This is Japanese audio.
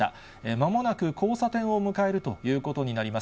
まもなく交差点を迎えるということになります。